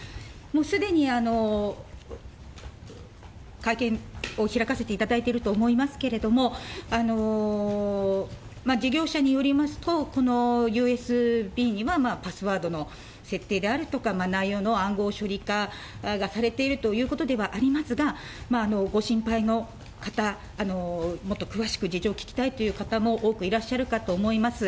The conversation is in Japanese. もうすでに、会見を開かせていただいていると思いますけれども、事業者によりますと、このＵＳＢには、パスワードの設定であるとか、内容の暗号処理化がされているということではありますが、ご心配の方、もっと詳しく事情を聞きたいという方も多くいらっしゃるかと思います。